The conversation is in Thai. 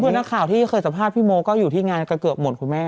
คือนักข่าวที่เคยสัมภาษณ์พี่โมก็อยู่ที่งานกันเกือบหมดคุณแม่